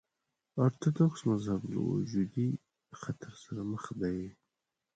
ارتوډوکس مذهب له وجودي خطر سره مخ دی.